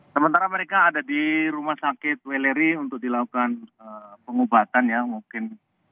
sementara mereka ada di rumah sakit weleri untuk dilakukan pengobatan ya mungkin